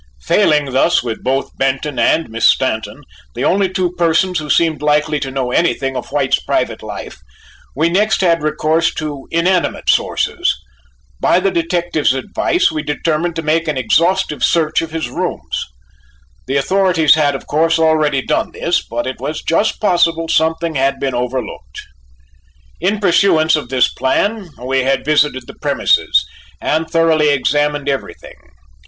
Failing thus with both Benton and Miss Stanton, the only two persons who seemed likely to know anything of White's private life, we next had recourse to inanimate sources. By the detective's advice, we determined to make an exhaustive search of his rooms. The authorities had, of course, already done this, but it was just possible something had been overlooked. In pursuance of this plan we had visited the premises, and thoroughly examined everything.